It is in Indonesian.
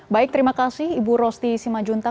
baik terima kasih ibu rosti simajunta